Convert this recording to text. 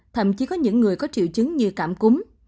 thậm chí có những người có triệu chứng như cảm cúm